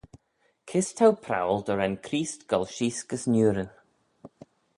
Kys t'ou prowal dy ren Creest goll sheese gys niurin?